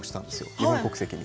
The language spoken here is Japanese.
日本国籍に。